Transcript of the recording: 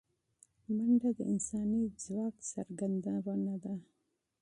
منډه د انساني ځواک څرګندونه ده